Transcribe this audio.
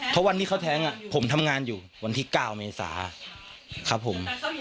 เพราะวันที่เขาแท้งผมทำงานอยู่วันที่๙เมษาครับผม